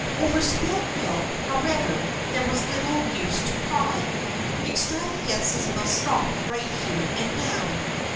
Over spilled milk, however, there was little use to cry. Extravagances must stop right here and now.